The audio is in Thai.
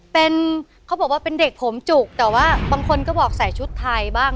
เป็นเขาบอกว่าเป็นเด็กผมจุกแต่ว่าบางคนก็บอกใส่ชุดไทยบ้าง